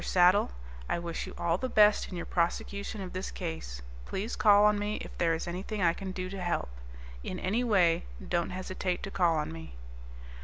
Saddle, I wish you all the best in your prosecution of this case. Please call on me if there is anything I can do to help. In any way, don't hesitate to call on me."